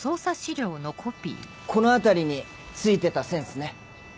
この辺りについてた線っすね。